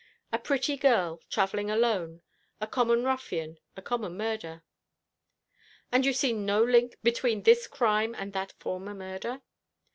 A pretty girl travelling alone, a common ruffian, a common murder." "And you see no link between this crime and that former murder?"